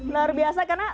luar biasa karena